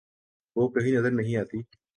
وہ کہیں نظر نہیں آتی۔